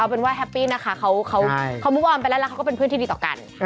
เป็นว่าแฮปปี้นะคะเขามุกออมไปแล้วแล้วเขาก็เป็นเพื่อนที่ดีต่อกัน